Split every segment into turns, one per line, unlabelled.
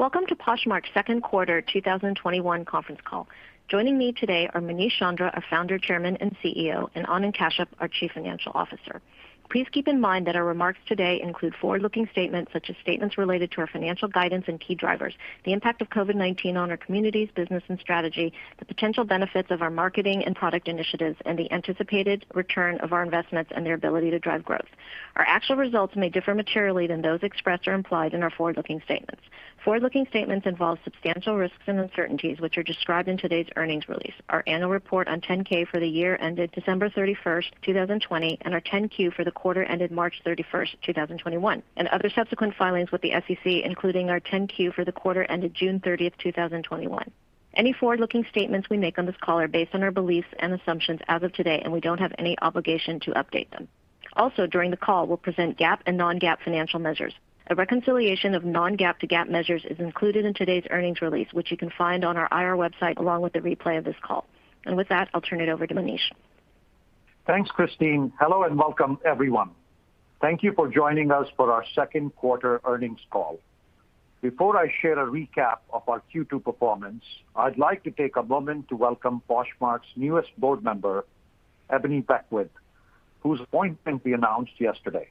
Welcome to Poshmark's second quarter 2021 conference call. Joining me today are Manish Chandra, our Founder, Chairman, and CEO, and Anand Kashyap, our Chief Financial Officer. Please keep in mind that our remarks today include forward-looking statements such as statements related to our financial guidance and key drivers, the impact of COVID-19 on our communities, business, and strategy, the potential benefits of our marketing and product initiatives, and the anticipated return of our investments and their ability to drive growth. Our actual results may differ materially than those expressed or implied in our forward-looking statements. Forward-looking statements involve substantial risks and uncertainties, which are described in today's earnings release, our annual report on 10-K for the year ended December 31st, 2020, and our 10-Q for the quarter ended March 31st, 2021, and other subsequent filings with the SEC, including our 10-Q for the quarter ended June 30th, 2021. Any forward-looking statements we make on this call are based on our beliefs and assumptions as of today, and we don't have any obligation to update them. Also, during the call, we'll present GAAP and non-GAAP financial measures. A reconciliation of non-GAAP to GAAP measures is included in today's earnings release, which you can find on our IR website along with a replay of this call. With that, I'll turn it over to Manish.
Thanks, Christine. Hello, and welcome, everyone. Thank you for joining us for our second quarter earnings call. Before I share a recap of our Q2 performance, I'd like to take a moment to welcome Poshmark's newest board member, Ebony Beckwith, whose appointment we announced yesterday.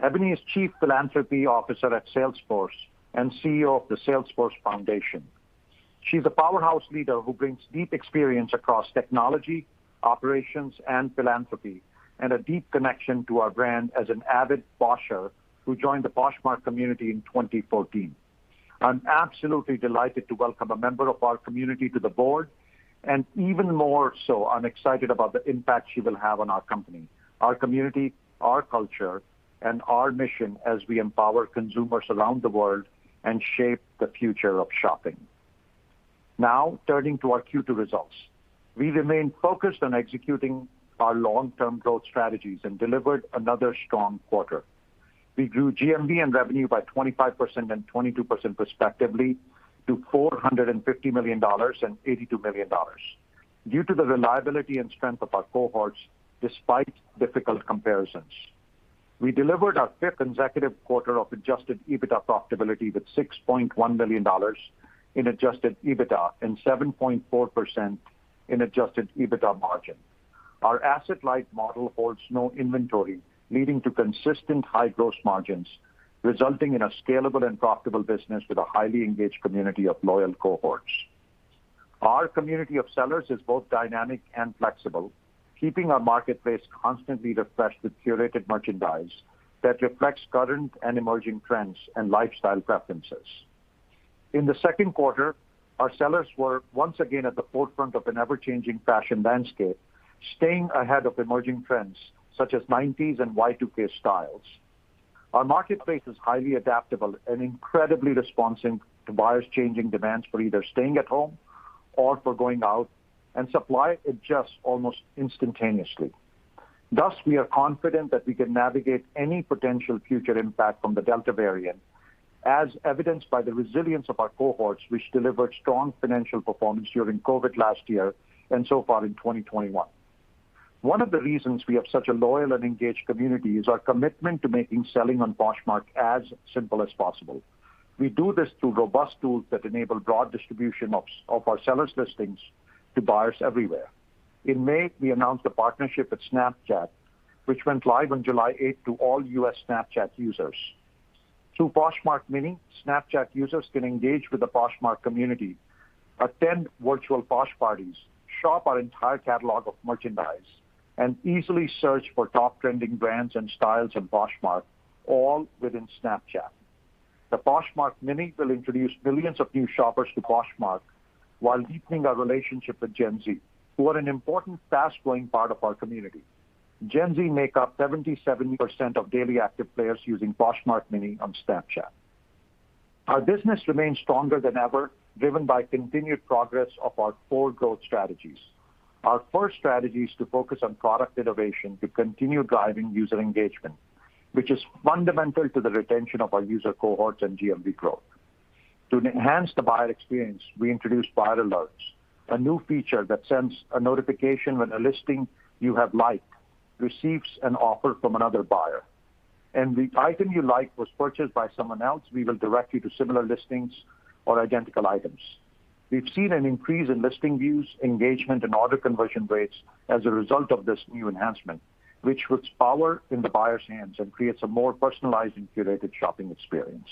Ebony is Chief Philanthropy Officer at Salesforce and CEO of the Salesforce Foundation. She's a powerhouse leader who brings deep experience across technology, operations, and philanthropy, and a deep connection to our brand as an avid Posher who joined the Poshmark community in 2014. I'm absolutely delighted to welcome a member of our community to the board, and even more so, I'm excited about the impact she will have on our company, our community, our culture, and our mission as we empower consumers around the world and shape the future of shopping. Now, turning to our Q2 results. We remain focused on executing our long-term growth strategies and delivered another strong quarter. We grew GMV and revenue by 25% and 22% respectively, to $450 million and $82 million. Due to the reliability and strength of our cohorts, despite difficult comparisons. We delivered our fifth consecutive quarter of adjusted EBITDA profitability with $6.1 million in adjusted EBITDA and 7.4% in adjusted EBITDA margin. Our asset-light model holds no inventory, leading to consistent high gross margins, resulting in a scalable and profitable business with a highly engaged community of loyal cohorts. Our community of sellers is both dynamic and flexible, keeping our marketplace constantly refreshed with curated merchandise that reflects current and emerging trends and lifestyle preferences. In the second quarter, our sellers were once again at the forefront of an ever-changing fashion landscape, staying ahead of emerging trends such as 1990s and Y2K styles. Our marketplace is highly adaptable and incredibly responsive to buyers' changing demands for either staying at home or for going out, and supply adjusts almost instantaneously. Thus, we are confident that we can navigate any potential future impact from the Delta variant, as evidenced by the resilience of our cohorts, which delivered strong financial performance during COVID last year and so far in 2021. One of the reasons we have such a loyal and engaged community is our commitment to making selling on Poshmark as simple as possible. We do this through robust tools that enable broad distribution of our sellers' listings to buyers everywhere. In May, we announced a partnership with Snapchat, which went live on July 8th to all U.S. Snapchat users. Through Poshmark Mini, Snapchat users can engage with the Poshmark community, attend virtual Posh Parties, shop our entire catalog of merchandise, and easily search for top trending brands and styles on Poshmark, all within Snapchat. The Poshmark Mini will introduce millions of new shoppers to Poshmark while deepening our relationship with Gen Z, who are an important, fast-growing part of our community. Gen Z make up 77% of daily active players using Poshmark Mini on Snapchat. Our business remains stronger than ever, driven by continued progress of our four growth strategies. Our first strategy is to focus on product innovation to continue driving user engagement, which is fundamental to the retention of our user cohorts and GMV growth. To enhance the buyer experience, we introduced Buyer Alerts, a new feature that sends a notification when a listing you have liked receives an offer from another buyer. If the item you like was purchased by someone else, we will direct you to similar listings or identical items. We've seen an increase in listing views, engagement, and order conversion rates as a result of this new enhancement, which puts power in the buyer's hands and creates a more personalized and curated shopping experience.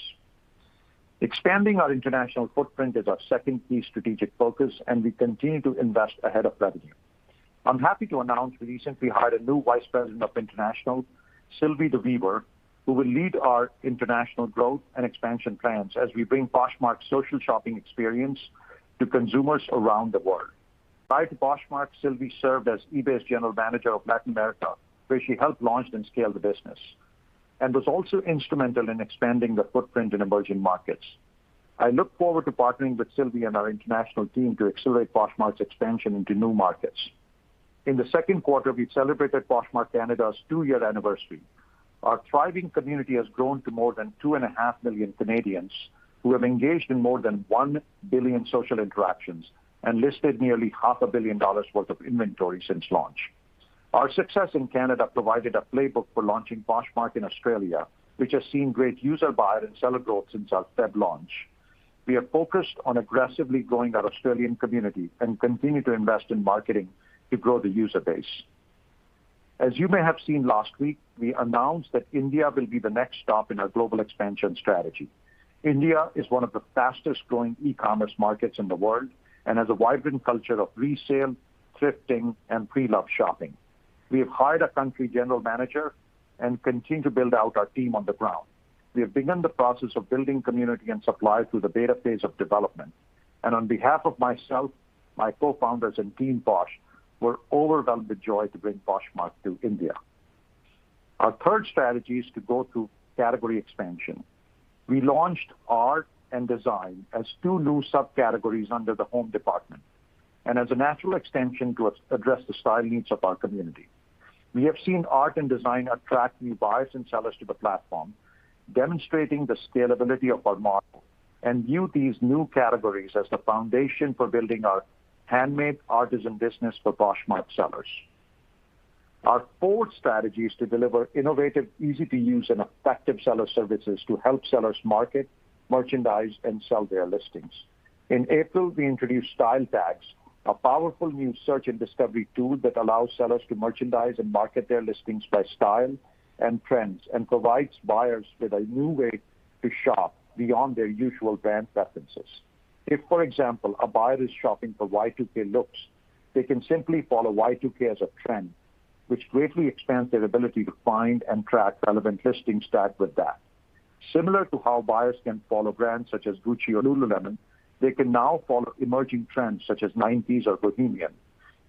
Expanding our international footprint is our second key strategic focus, and we continue to invest ahead of revenue. I'm happy to announce we recently hired a new Vice President of International, Sylvie De Wever, who will lead our international growth and expansion plans as we bring Poshmark's social shopping experience to consumers around the world. Prior to Poshmark, Sylvie served as eBay's General Manager of Latin America, where she helped launch and scale the business, and was also instrumental in expanding the footprint in emerging markets. I look forward to partnering with Sylvie and our international team to accelerate Poshmark's expansion into new markets. In the second quarter, we celebrated Poshmark Canada's two-year anniversary. Our thriving community has grown to more than 2.5 million Canadians who have engaged in more than 1 billion social interactions and listed nearly half a billion dollars worth of inventory since launch. Our success in Canada provided a playbook for launching Poshmark in Australia, which has seen great user buyer and seller growth since our February launch. We are focused on aggressively growing our Australian community and continue to invest in marketing to grow the user base. As you may have seen last week, we announced that India will be the next stop in our global expansion strategy. India is one of the fastest growing e-commerce markets in the world, and has a vibrant culture of resale, thrifting, and pre-loved shopping. We have hired a country general manager and continue to build out our team on the ground. We have begun the process of building community and supply through the beta phase of development. On behalf of myself, my co-founders, and Team Posh, we're overwhelmed with joy to bring Poshmark to India. Our third strategy is to go through category expansion. We launched art-and-design as two new subcategories under the Home department, and as a natural extension to address the style needs of our community. We have seen art-and-design attract new buyers and sellers to the platform, demonstrating the scalability of our model, and view these new categories as the foundation for building our handmade artisan business for Poshmark sellers. Our fourth strategy is to deliver innovative, easy to use, and effective seller services to help sellers market, merchandise, and sell their listings. In April, we introduced Style Tags, a powerful new search and discovery tool that allows sellers to merchandise and market their listings by style and trends, and provides buyers with a new way to shop beyond their usual brand preferences. If, for example, a buyer is shopping for Y2K looks, they can simply follow Y2K as a trend, which greatly expands their ability to find and track relevant listings tagged with that. Similar to how buyers can follow brands such as Gucci or lululemon, they can now follow emerging trends such as 1990s or bohemian.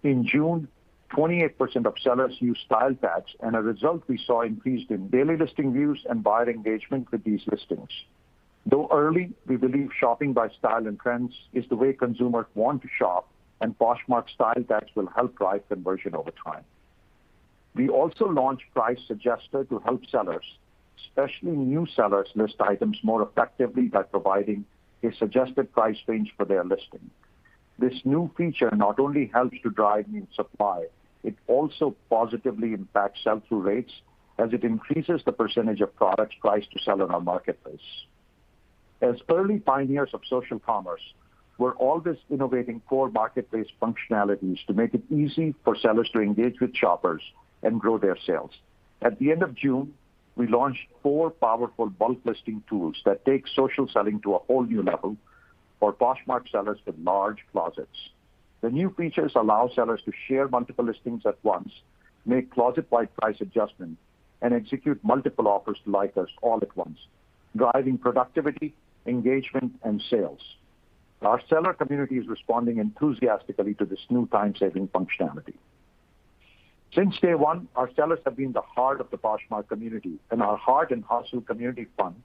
In June, 28% of sellers used Style Tags, and a result we saw increased in daily listing views and buyer engagement with these listings. Though early, we believe shopping by style and trends is the way consumers want to shop, and Poshmark Style Tags will help drive conversion over time. We also launched price suggestion to help sellers, especially new sellers, list items more effectively by providing a suggested price range for their listing. This new feature not only helps to drive new supply, it also positively impacts sell-through rates as it increases the percentage of products priced to sell on our marketplace. As early pioneers of social commerce, we're always innovating core marketplace functionalities to make it easy for sellers to engage with shoppers and grow their sales. At the end of June, we launched four powerful bulk listing tools that take social selling to a whole new level for Poshmark sellers with large closets. The new features allow sellers to share multiple listings at once, make closet-wide price adjustments, and execute multiple offers to likers all at once, driving productivity, engagement, and sales. Our seller community is responding enthusiastically to this new time-saving functionality. Since day one, our sellers have been the heart of the Poshmark community, and our Heart & Hustle Community Fund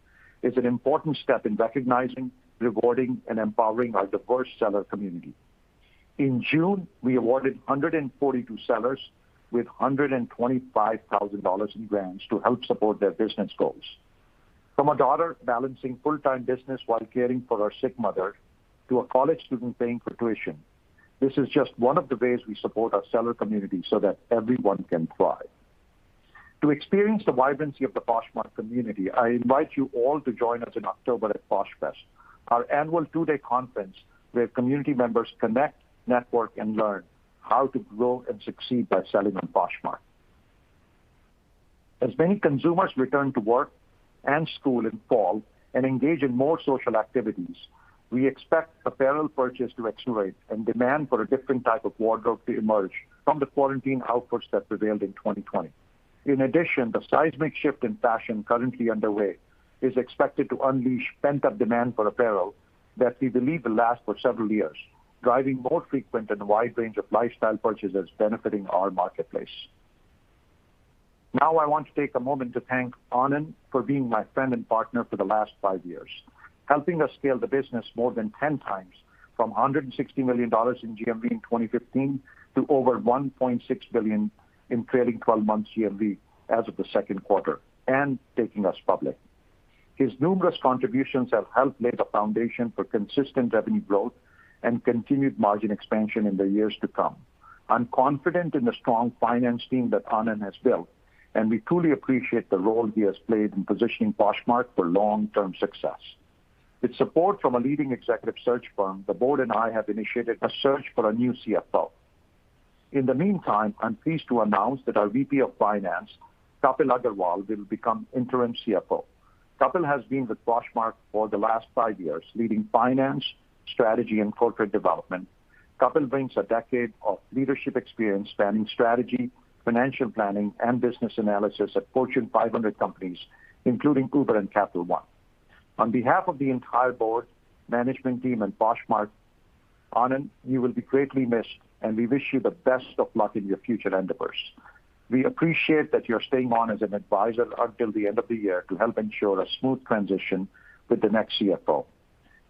is an important step in recognizing, rewarding, and empowering our diverse seller community. In June, we awarded 142 sellers with $125,000 in grants to help support their business goals. From a daughter balancing full-time business while caring for her sick mother, to a college student paying for tuition, this is just one of the ways we support our seller community so that everyone can thrive. To experience the vibrancy of the Poshmark community, I invite you all to join us in October at PoshFest, our annual two-day conference where community members connect, network, and learn how to grow and succeed by selling on Poshmark. As many consumers return to work and school in fall, and engage in more social activities, we expect apparel purchase to accelerate and demand for a different type of wardrobe to emerge from the quarantine outputs that prevailed in 2020. In addition, the seismic shift in fashion currently underway is expected to unleash pent-up demand for apparel that we believe will last for several years, driving more frequent and a wide range of lifestyle purchases benefiting our marketplace. Now, I want to take a moment to thank Anand for being my friend and partner for the last five years, helping us scale the business more than 10 times from $160 million in GMV in 2015 to over $1.6 billion in trailing 12 months GMV as of the second quarter, and taking us public. His numerous contributions have helped lay the foundation for consistent revenue growth and continued margin expansion in the years to come. I'm confident in the strong finance team that Anand has built, and we truly appreciate the role he has played in positioning Poshmark for long-term success. With support from a leading executive search firm, the board and I have initiated a search for a new CFO. In the meantime, I'm pleased to announce that our VP of Finance, Kapil Agrawal, will become interim CFO. Kapil has been with Poshmark for the last five years, leading finance, strategy, and corporate development. Kapil brings a decade of leadership experience spanning strategy, financial planning, and business analysis at Fortune 500 companies, including Uber and Capital One. On behalf of the entire board, management team, and Poshmark, Anand, you will be greatly missed, and we wish you the best of luck in your future endeavors. We appreciate that you're staying on as an advisor until the end of the year to help ensure a smooth transition with the next CFO.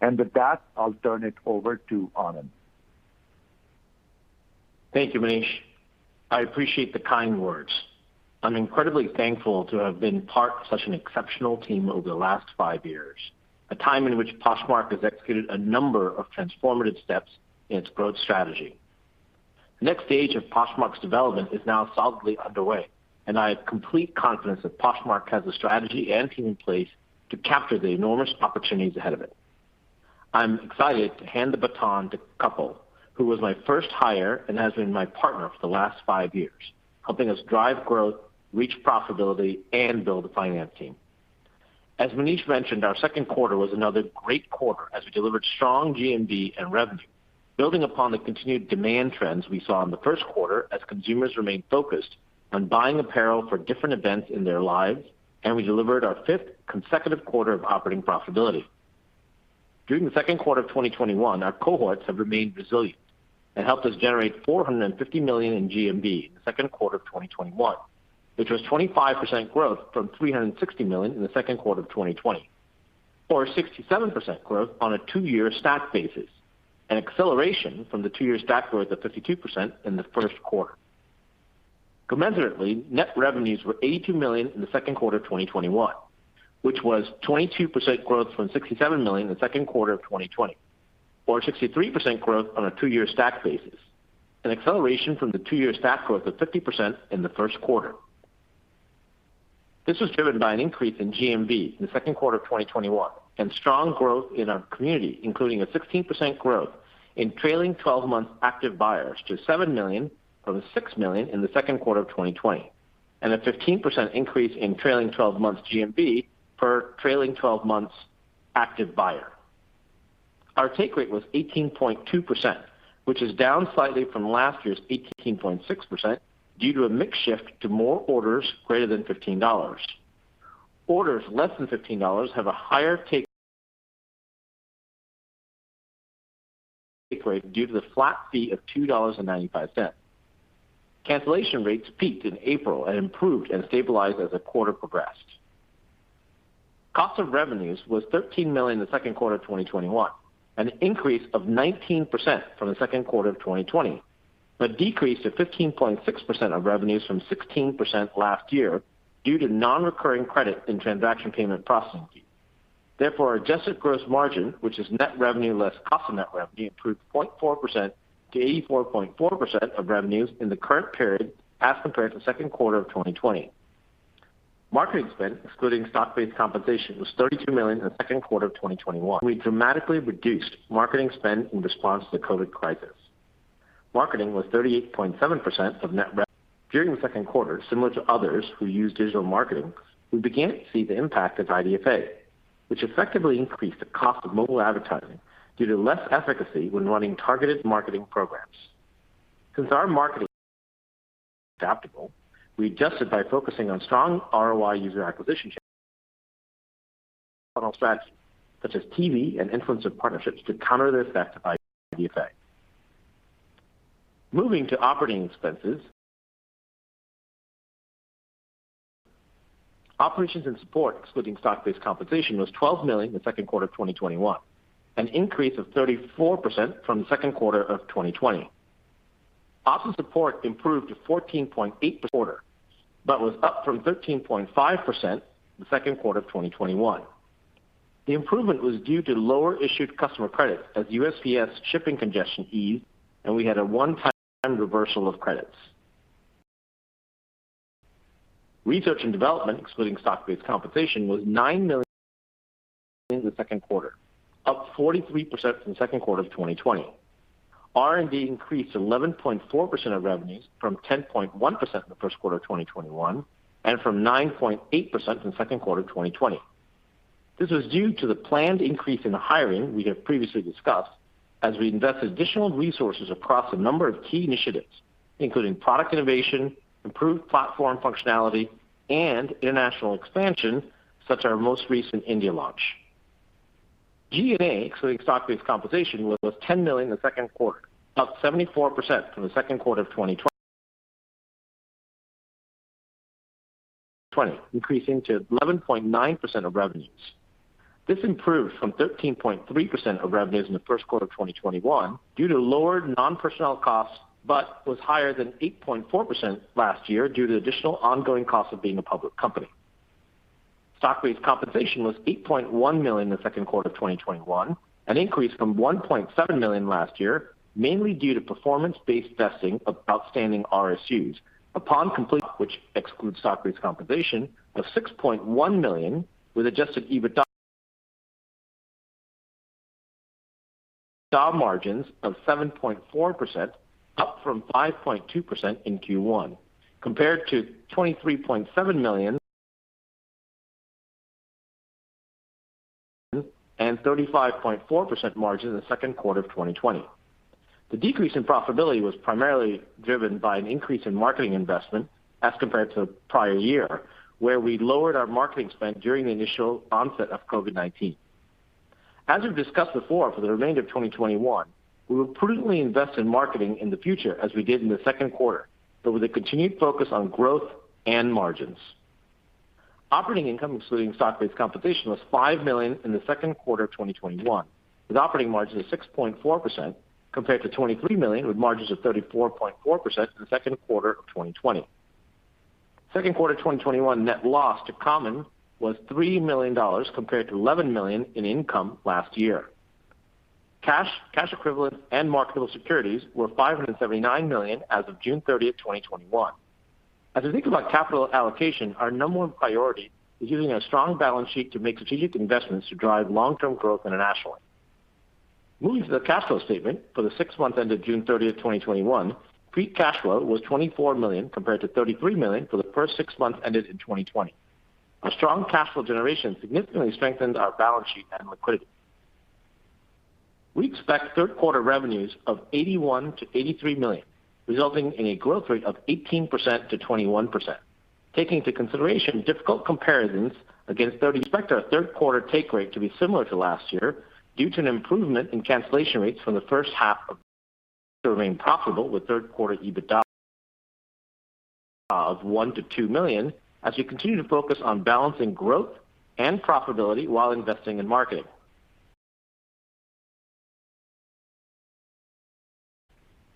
With that, I'll turn it over to Anand.
Thank you, Manish. I appreciate the kind words. I'm incredibly thankful to have been part of such an exceptional team over the last five years, a time in which Poshmark has executed a number of transformative steps in its growth strategy. The next stage of Poshmark's development is now solidly underway, and I have complete confidence that Poshmark has the strategy and team in place to capture the enormous opportunities ahead of it. I'm excited to hand the baton to Kapil, who was my first hire and has been my partner for the last five years, helping us drive growth, reach profitability, and build a finance team. As Manish mentioned, our second quarter was another great quarter as we delivered strong GMV and revenue, building upon the continued demand trends we saw in the first quarter as consumers remained focused on buying apparel for different events in their lives. We delivered our fifth consecutive quarter of operating profitability. During the second quarter of 2021, our cohorts have remained resilient and helped us generate $450 million in GMV in the second quarter of 2021, which was 25% growth from $360 million in the second quarter of 2020, or a 67% growth on a two-year stack basis, an acceleration from the two-year stack growth of 52% in the first quarter. Commensurately, net revenues were $82 million in the second quarter of 2021, which was 22% growth from $67 million in the second quarter of 2020, or a 63% growth on a two-year stack basis, an acceleration from the two-year stack growth of 50% in the first quarter. This was driven by an increase in GMV in the second quarter of 2021 and strong growth in our community, including a 16% growth in trailing 12 months active buyers to 7 million from 6 million in the second quarter of 2020, and a 15% increase in trailing 12 months GMV per trailing 12 months active buyer. Our take rate was 18.2%, which is down slightly from last year's 18.6%, due to a mix shift to more orders greater than $15. Orders less than $15 have a higher take rate due to the flat fee of $2.95. Cancellation rates peaked in April and improved and stabilized as the quarter progressed. Cost of revenues was $13 million in the second quarter of 2021, an increase of 19% from the second quarter of 2020, but decreased to 15.6% of revenues from 16% last year due to non-recurring credit in transaction payment processing fees. Adjusted gross margin, which is net revenue less cost of net revenue, improved 0.4%-84.4% of revenues in the current period as compared to the second quarter of 2020. Marketing spend, excluding stock-based compensation, was $32 million in the second quarter of 2021. We dramatically reduced marketing spend in response to the COVID-19. Marketing was 38.7% of. During the second quarter, similar to others who use digital marketing, we began to see the impact of IDFA, which effectively increased the cost of mobile advertising due to less efficacy when running targeted marketing programs. Since our marketing adaptable, we adjusted by focusing on strong ROI user acquisition funnel strategy, such as TV and influencer partnerships to counter the effect of IDFA. Moving to operating expenses, operations and support, excluding stock-based compensation, was $12 million in the second quarter of 2021, an increase of 34% from the second quarter of 2020. Op and support improved to 14.8% quarter, but was up from 13.5% in the second quarter of 2021. The improvement was due to lower issued customer credits as USPS shipping congestion eased, and we had a one-time reversal of credits. Research and development, excluding stock-based compensation, was $9 million in the second quarter, up 43% from the second quarter of 2020. R&D increased to 11.4% of revenues from 10.1% in the first quarter of 2021, and from 9.8% in the second quarter of 2020. This was due to the planned increase in hiring we have previously discussed as we invest additional resources across a number of key initiatives, including product innovation, improved platform functionality, and international expansion, such our most recent India launch. G&A, excluding stock-based compensation, was $10 million in the second quarter, up 74% from the second quarter of 2020, increasing to 11.9% of revenues. This improved from 13.3% of revenues in the first quarter of 2021 due to lower non-personnel costs, but was higher than 8.4% last year due to additional ongoing costs of being a public company. Stock-based compensation was $8.1 million in the second quarter of 2021, an increase from $1.7 million last year, mainly due to performance-based vesting of outstanding RSUs. Which excludes stock-based compensation of $6.1 million with adjusted EBITDA margins of 7.4%, up from 5.2% in Q1, compared to $23.7 million and 35.4% margin in the second quarter of 2020. The decrease in profitability was primarily driven by an increase in marketing investment as compared to prior year, where we lowered our marketing spend during the initial onset of COVID-19. As we've discussed before, for the remainder of 2021, we will prudently invest in marketing in the future as we did in the second quarter, but with a continued focus on growth and margins. Operating income, excluding stock-based compensation, was $5 million in the second quarter of 2021, with operating margins of 6.4%, compared to $23 million with margins of 34.4% in the second quarter of 2020. Second quarter 2021 net loss to common was $3 million, compared to $11 million in income last year. Cash, cash equivalents, and marketable securities were $579 million as of June 30th, 2021. As we think about capital allocation, our number one priority is using our strong balance sheet to make strategic investments to drive long-term growth internationally. Moving to the cash flow statement for the six months ended June 30th, 2021, free cash flow was $24 million compared to $33 million for the first six months ended in 2020. Our strong cash flow generation significantly strengthened our balance sheet and liquidity. We expect third quarter revenues of $81 million-$83 million, resulting in a growth rate of 18%-21%. Taking into consideration difficult comparisons against 30, expect our third quarter take rate to be similar to last year due to an improvement in cancellation rates. To remain profitable with third quarter EBITDA of $1 million-$2 million as we continue to focus on balancing growth and profitability while investing in marketing.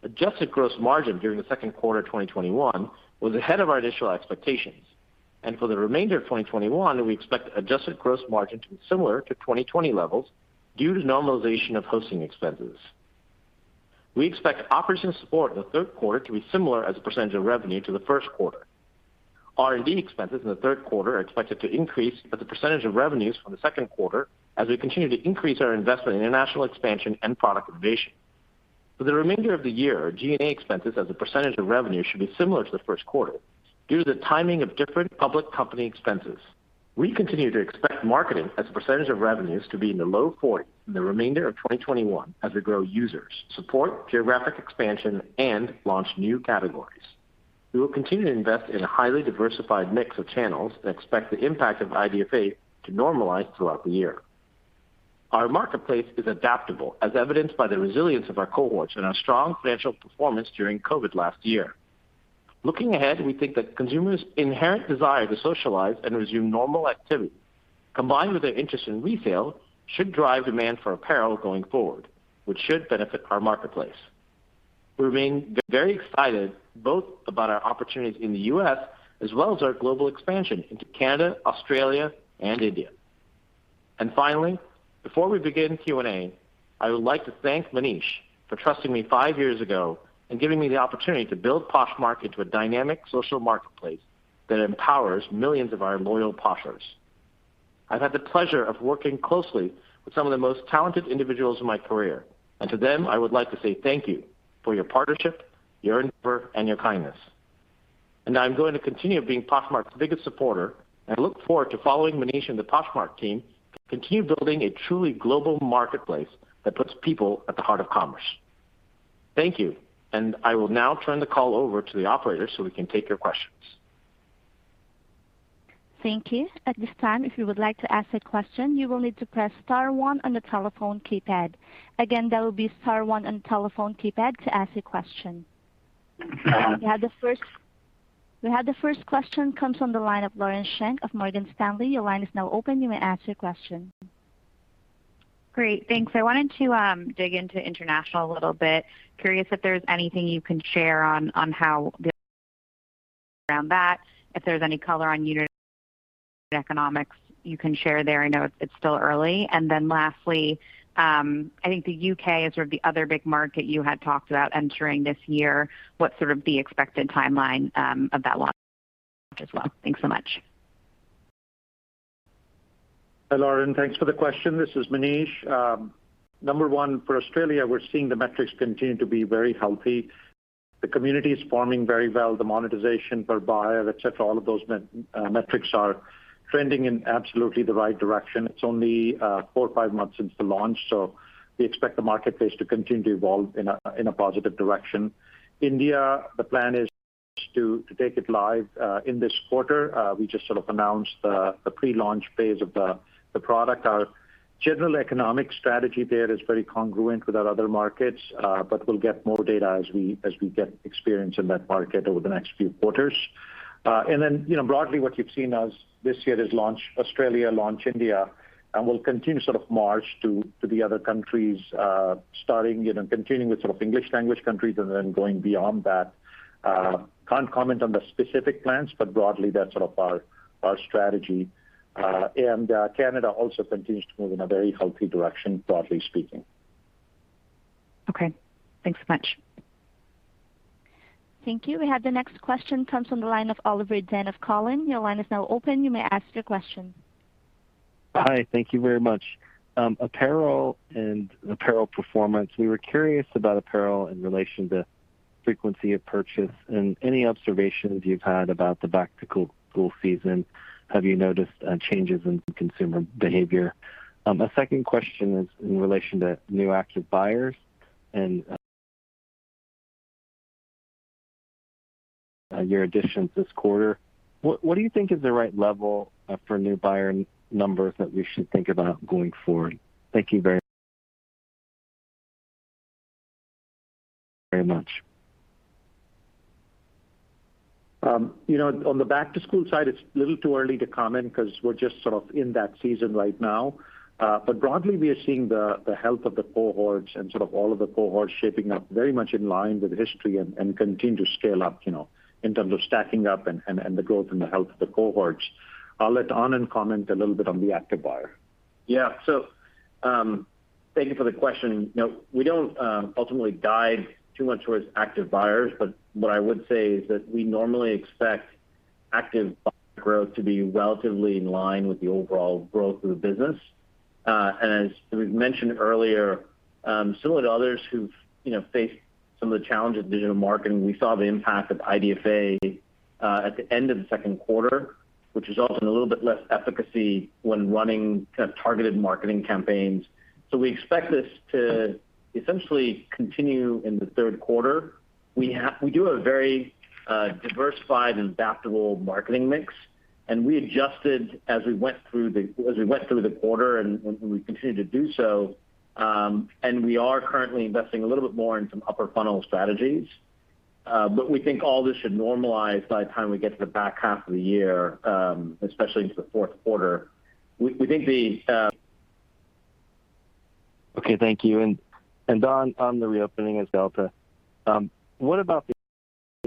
adjusted gross margin during the second quarter of 2021 was ahead of our initial expectations. For the remainder of 2021, we expect adjusted gross margin to be similar to 2020 levels due to normalization of hosting expenses. We expect operations support in the third quarter to be similar as a percentage of revenue to the first quarter. R&D expenses in the third quarter are expected to increase as we continue to increase our investment in international expansion and product innovation. For the remainder of the year, G&A expenses as a percentage of revenue should be similar to the first quarter due to the timing of different public company expenses. We continue to expect marketing as a percentage of revenues to be in the low 40s% in the remainder of 2021 as we grow users, support geographic expansion, and launch new categories. We will continue to invest in a highly diversified mix of channels and expect the impact of IDFA to normalize throughout the year. Our marketplace is adaptable, as evidenced by the resilience of our cohorts and our strong financial performance during COVID-19 last year. Looking ahead, we think that consumers' inherent desire to socialize and resume normal activity, combined with their interest in resale, should drive demand for apparel going forward, which should benefit our marketplace. We're remaining very excited both about our opportunities in the U.S. as well as our global expansion into Canada, Australia, and India. Finally, before we begin Q&A, I would like to thank Manish for trusting me five years ago and giving me the opportunity to build Poshmark into a dynamic social marketplace that empowers millions of our loyal Poshers. I've had the pleasure of working closely with some of the most talented individuals in my career. To them, I would like to say thank you for your partnership, your input, and your kindness. I'm going to continue being Poshmark's biggest supporter, and I look forward to following Manish and the Poshmark team continue building a truly global marketplace that puts people at the heart of commerce. Thank you. I will now turn the call over to the operator so we can take your questions.
Thank you. At this time, if you would like to ask a question, you will need to press star one on the telephone keypad. Again, that will be star one on the telephone keypad to ask a question. We have the first question comes from the line of Lauren Schenk of Morgan Stanley.
Great. Thanks. I wanted to dig into international a little bit. Curious if there's anything you can share on how the [inaudible] that. If there's any color on unit economics you can share there. I know it's still early. Lastly, I think the U.K. is sort of the other big market you had talked about entering this year. What's sort of the expected timeline of that launch as well? Thanks so much.
Hi, Lauren. Thanks for the question. This is Manish. Number one, for Australia, we're seeing the metrics continue to be very healthy. The community is forming very well. The monetization per buyer, et cetera, all of those metrics are trending in absolutely the right direction. It's only four or five months since the launch, so we expect the marketplace to continue to evolve in a positive direction. India, the plan is to take it live in this quarter. We just sort of announced the pre-launch phase of the product. Our general economic strategy there is very congruent with our other markets, but we'll get more data as we get experience in that market over the next few quarters.
Broadly what you've seen us this year is launch Australia, launch India, and we'll continue sort of march to the other countries, continuing with sort of English language countries and then going beyond that. Can't comment on the specific plans, but broadly, that's sort of our strategy. Canada also continues to move in a very healthy direction, broadly speaking.
Okay. Thanks so much.
Thank you. We have the next question comes from the line of Oliver Chen of Cowen. Your line is now open. You may ask your question.
Hi. Thank you very much. Apparel and apparel performance. We were curious about apparel in relation to frequency of purchase and any observations you've had about the back-to-school season. Have you noticed changes in consumer behavior? A second question is in relation to new active buyers and your additions this quarter. What do you think is the right level for new buyer numbers that we should think about going forward? Thank you very much.
On the back-to-school side, it's a little too early to comment because we're just sort of in that season right now. Broadly, we are seeing the health of the cohorts and sort of all of the cohorts shaping up very much in line with history and continue to scale up, in terms of stacking up and the growth and the health of the cohorts. I'll let Anand comment a little bit on the active buyer.
Thank you for the question. We don't ultimately guide too much towards active buyers, but what I would say is that we normally expect active buyer growth to be relatively in line with the overall growth of the business. As we've mentioned earlier, similar to others who've faced some of the challenges of digital marketing, we saw the impact of IDFA at the end of the second quarter, which resulted in a little bit less efficacy when running kind of targeted marketing campaigns. We expect this to essentially continue in the third quarter. We do a very diversified and adaptable marketing mix, and we adjusted as we went through the quarter, and we continue to do so. We are currently investing a little bit more in some upper funnel strategies. We think all this should normalize by the time we get to the back half of the year, especially into the fourth quarter.
Okay.Thank you and on the reopening of Delta, what about the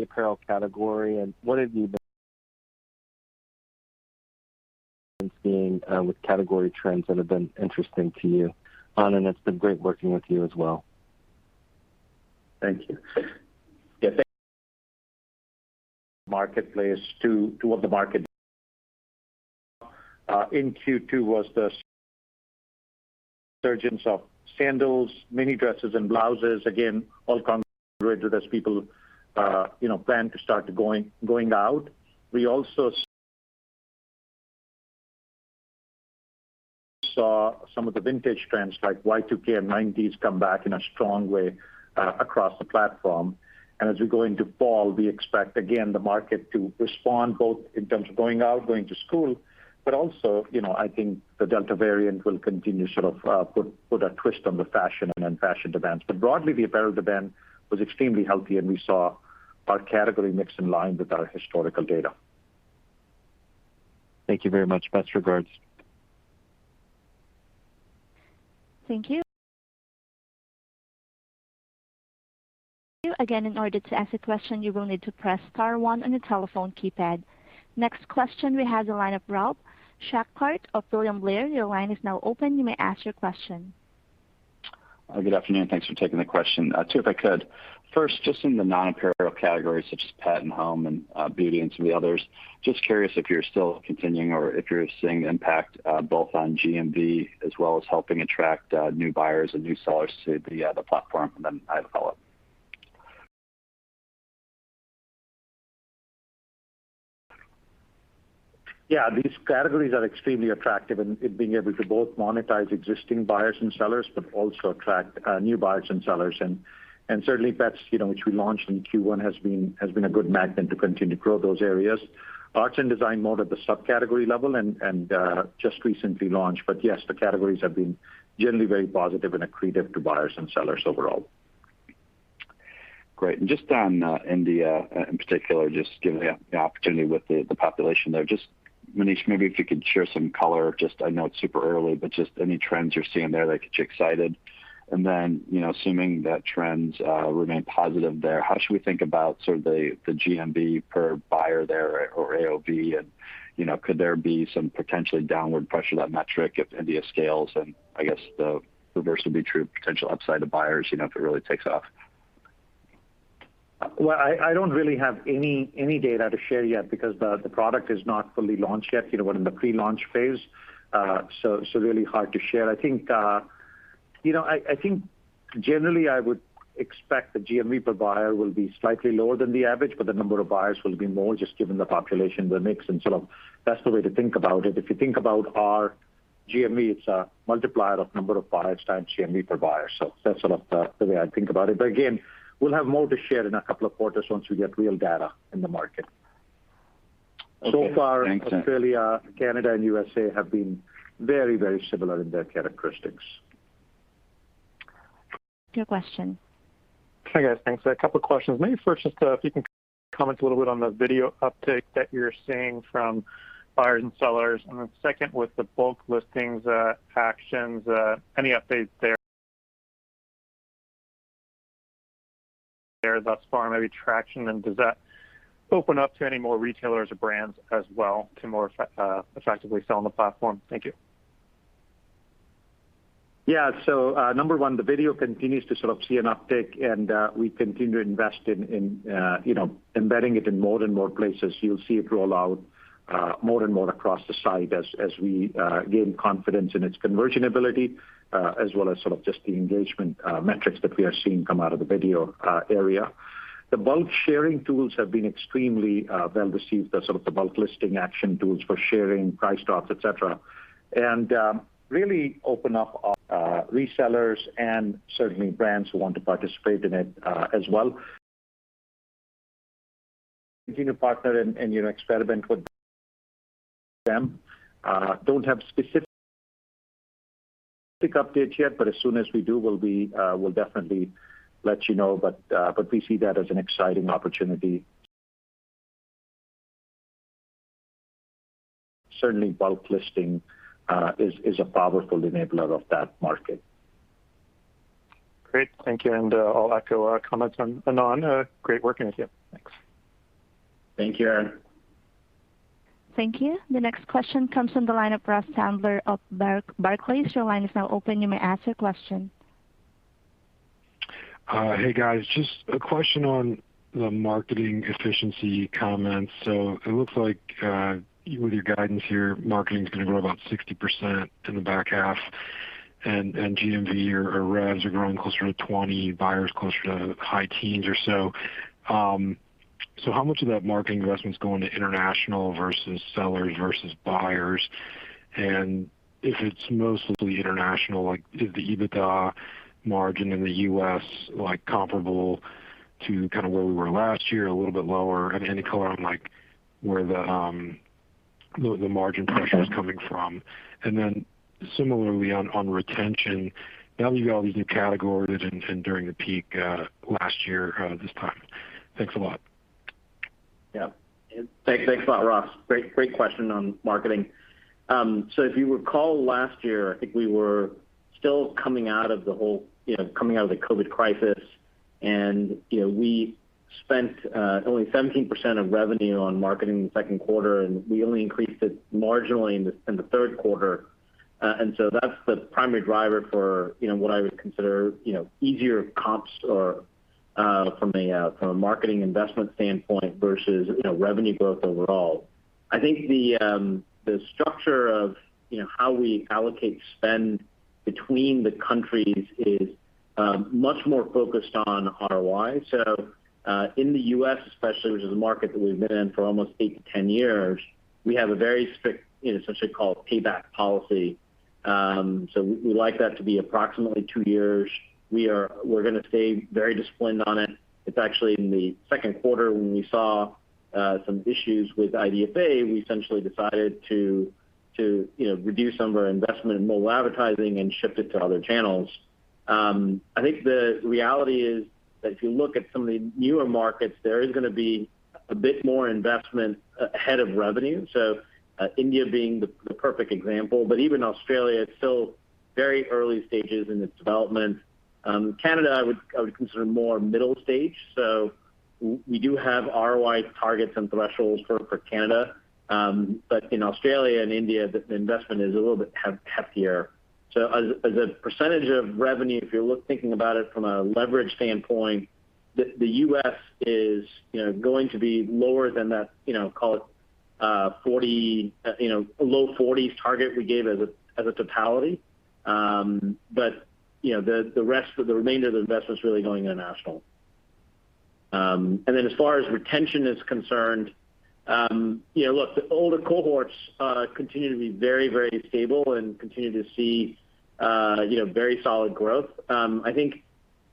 apparel category and what have you been seeing with category trends that have been interesting to you? Anand, it's been great working with you as well. Thank you.
Yeah. In Q2 was the emergence of sandals, mini dresses and blouses. Again, all as people plan to start going out. We also saw some of the vintage trends like Y2K and 1990s come back in a strong way across the platform. As we go into fall, we expect, again, the market to respond both in terms of going out, going to school, but also, I think the Delta variant will continue sort of put a twist on the fashion and unfashion demands. Broadly, the apparel demand was extremely healthy, and we saw our category mix in line with our historical data.
Thank you very much. Best regards.
Thank you. Again, in order to ask a question, you will need to press star one on your telephone keypad. Next question we have the line of Ralph Schackart of William Blair. Your line is now open. You may ask your question.
Good afternoon. Thanks for taking the question. Two, if I could. First, just in the non-apparel categories such as pet and home and beauty and some of the others, just curious if you're still continuing or if you're seeing impact both on GMV as well as helping attract new buyers and new sellers to the platform. I have a follow-up.
Yeah, these categories are extremely attractive in being able to both monetize existing buyers and sellers, but also attract new buyers and sellers. Certainly pets, which we launched in Q1, has been a good magnet to continue to grow those areas. Art-and-design more at the subcategory level and just recently launched. Yes, the categories have been generally very positive and accretive to buyers and sellers overall.
Great. Just on India in particular, just given the opportunity with the population there, just Manish, maybe if you could share some color, just I know it's super early, but just any trends you're seeing there that get you excited. Then, assuming that trends remain positive there, how should we think about sort of the GMV per buyer there or AOV, and could there be some potentially downward pressure to that metric if India scales? I guess the reverse would be true, potential upside to buyers, if it really takes off.
I don't really have any data to share yet because the product is not fully launched yet. We're in the pre-launch phase, so really hard to share. I think generally I would expect the GMV per buyer will be slightly lower than the average, but the number of buyers will be more just given the population, the mix, and sort of that's the way to think about it. If you think about our GMV, it's a multiplier of number of buyers times GMV per buyer. That's sort of the way I think about it. Again, we'll have more to share in a couple of quarters once we get real data in the market.
Okay. Thanks.
Far, Australia, Canada, and U.S.A. have been very similar in their characteristics.
Your question.
Hi, guys. Thanks. A couple questions. Maybe first, just if you can comment a little bit on the video uptake that you're seeing from buyers and sellers. Second, with the bulk listings actions, any updates there thus far, maybe traction, and does that open up to any more retailers or brands as well to more effectively sell on the platform? Thank you.
Yeah. Number one, the video continues to sort of see an uptick and we continue to invest in embedding it in more and more places. You'll see it roll out more and more across the site as we gain confidence in its conversion ability, as well as sort of just the engagement metrics that we are seeing come out of the video area. The bulk sharing tools have been extremely well received, the sort of the bulk listing action tools for sharing price drops, et cetera. Really open up our resellers and certainly brands who want to participate in it as well. Continue to partner and experiment with them. Don't have specific updates yet, but as soon as we do, we'll definitely let you know. We see that as an exciting opportunity. Certainly, bulk listing is a powerful enabler of that market.
Great. Thank you. I'll echo comments on Anand. Great working with you. Thanks.
Thank you, Aaron.
Thank you. The next question comes from the line of Ross Sandler of Barclays. Your line is now open. You may ask your question.
Hey, guys. Just a question on the marketing efficiency comments. It looks like with your guidance here, marketing's going to grow about 60% in the back half, and GMV or revs are growing closer to 20%, buyers closer to high teens or so. How much of that marketing investment is going to international versus sellers versus buyers? If it's mostly international, like is the EBITDA margin in the U.S. comparable to kind of where we were last year, a little bit lower? Have any color on where the margin pressure is coming from. Similarly on retention. Now that you've got all these new categories and during the peak last year this time. Thanks a lot.
Yeah. Thanks a lot, Ross. Great question on marketing. If you recall last year, I think we were still coming out of the COVID crisis. We spent only 17% of revenue on marketing in the second quarter. We only increased it marginally in the third quarter. That's the primary driver for what I would consider easier comps or from a marketing investment standpoint versus revenue growth overall. I think the structure of how we allocate spend between the countries is much more focused on ROI. In the U.S. especially, which is a market that we've been in for almost 8-10 years, we have a very strict, essentially called payback policy. We like that to be approximately two years. We're going to stay very disciplined on it. It's actually in the second quarter when we saw some issues with IDFA, we essentially decided to reduce some of our investment in mobile advertising and shift it to other channels. I think the reality is that if you look at some of the newer markets, there is going to be a bit more investment ahead of revenue. India being the perfect example, but even Australia, it's still very early stages in its development. Canada, I would consider more middle stage. We do have ROI targets and thresholds for Canada. In Australia and India, the investment is a little bit heftier. As a percentage of revenue, if you're thinking about it from a leverage standpoint, the U.S. is going to be lower than that, call it low 40s target we gave as a totality. The remainder of the investment's really going international. As far as retention is concerned, look, the older cohorts continue to be very stable and continue to see very solid growth. I think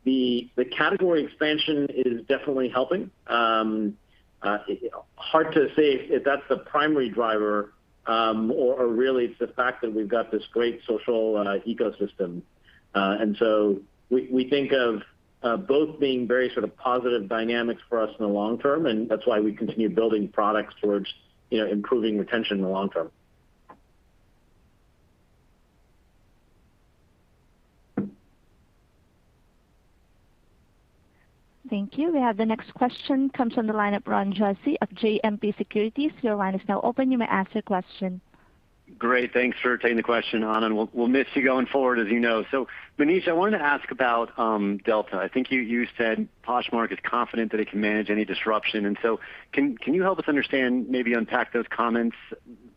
the category expansion is definitely helping. Hard to say if that's the primary driver or really it's the fact that we've got this great social ecosystem. We think of both being very sort of positive dynamics for us in the long term, and that's why we continue building products towards improving retention in the long term.
Thank you. We have the next question comes from the line of Ron Josey of JMP Securities.
Great. Thanks for taking the question, Anand. We'll miss you going forward as you know. Manish, I wanted to ask about Delta. I think you said Poshmark is confident that it can manage any disruption. Can you help us understand, maybe unpack those comments,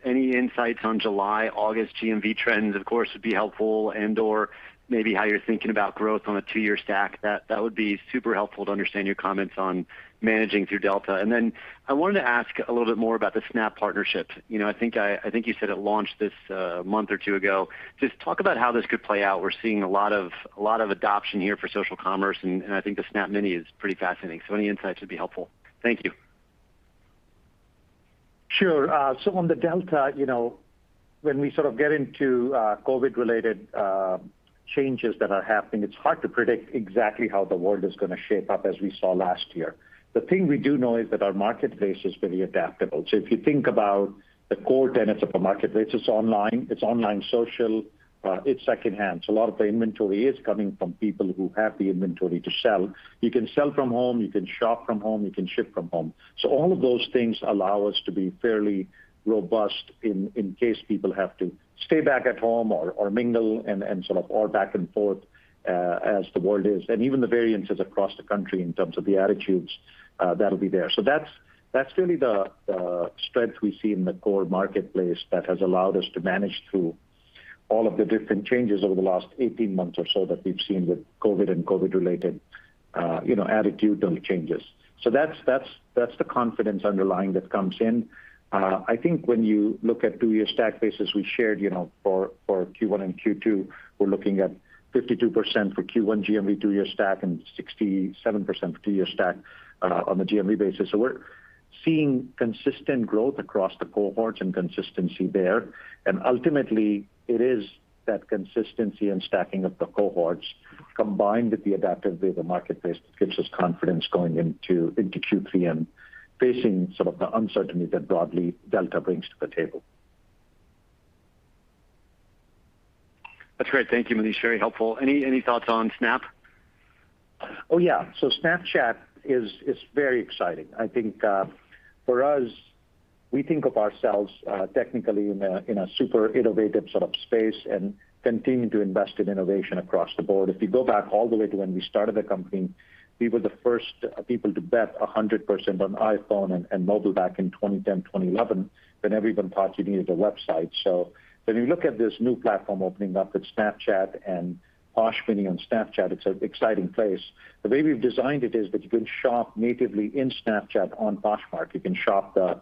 any insights on July, August GMV trends, of course, would be helpful and/or maybe how you're thinking about growth on a two-year stack. That would be super helpful to understand your comments on managing through Delta. Then I wanted to ask a little bit more about the Snap partnership. I think you said it launched this month or two ago. Just talk about how this could play out. We're seeing a lot of adoption here for social commerce, and I think the Snap Mini is pretty fascinating. Any insights would be helpful. Thank you.
Sure. On the Delta variant, when we sort of get into COVID-19-related changes that are happening, it's hard to predict exactly how the world is going to shape up as we saw last year. The thing we do know is that our marketplace is very adaptable. If you think about the core tenets of a marketplace, it's online, it's online social, it's secondhand. A lot of the inventory is coming from people who have the inventory to sell. You can sell from home, you can shop from home, you can ship from home. All of those things allow us to be fairly robust in case people have to stay back at home or mingle and sort of back and forth as the world is, and even the variances across the country in terms of the attitudes that'll be there. That's really the strength we see in the core marketplace that has allowed us to manage through all of the different changes over the last 18 months or so that we've seen with COVID and COVID-related attitudinal changes. That's the confidence underlying that comes in. I think when you look at two-year stack basis we shared for Q1 and Q2, we're looking at 52% for Q1 GMV two-year stack and 67% for two-year stack on the GMV basis. Seeing consistent growth across the cohorts and consistency there. Ultimately, it is that consistency and stacking of the cohorts, combined with the adaptive data marketplace, that gives us confidence going into Q3 and facing the uncertainty that broadly Delta brings to the table.
That's great. Thank you, Manish. Very helpful. Any thoughts on Snap?
Oh, yeah. Snapchat is very exciting. I think for us, we think of ourselves technically in a super innovative sort of space and continue to invest in innovation across the board. If you go back all the way to when we started the company, we were the first people to bet 100% on iPhone and mobile back in 2010-2011, when everyone thought you needed a website. When you look at this new platform opening up with Snapchat and Posh Mini on Snapchat, it's an exciting place. The way we've designed it is that you can shop natively in Snapchat on Poshmark. You can shop the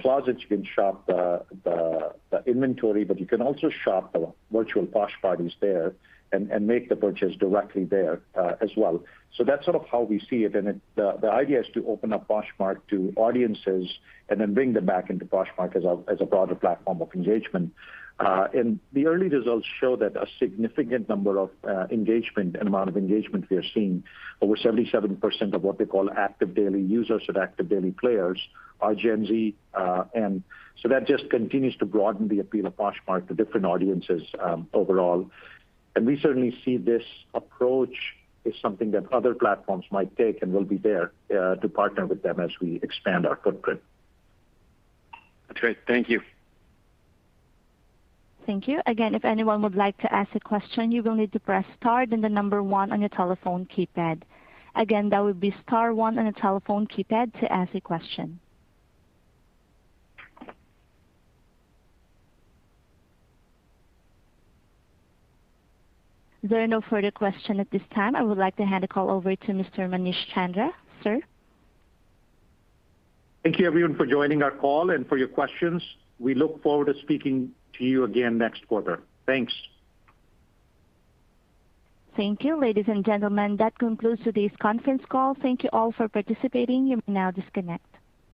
closets, you can shop the inventory, but you can also shop the virtual Posh Parties there and make the purchase directly there as well. That's sort of how we see it, and the idea is to open up Poshmark to audiences and then bring them back into Poshmark as a broader platform of engagement. The early results show that a significant number of engagement and amount of engagement we are seeing, over 77% of what we call active daily users or daily active users are Gen Z. That just continues to broaden the appeal of Poshmark to different audiences overall. We certainly see this approach is something that other platforms might take, and we'll be there to partner with them as we expand our footprint.
That's great. Thank you.
Thank you. Again, if anyone would like to ask a question, you will need to press star then the number one on your telephone keypad. Again, that would be star one on your telephone keypad to ask a question. If there are no further questions at this time. I would like to hand the call over to Mr. Manish Chandra. Sir?
Thank you, everyone, for joining our call and for your questions. We look forward to speaking to you again next quarter. Thanks.
Thank you. Ladies and gentlemen, that concludes today's conference call. Thank you all for participating. You may now disconnect.